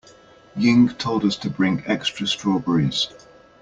Ying told us to bring extra strawberries.